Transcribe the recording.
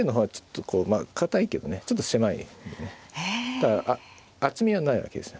だから厚みがないわけですよ。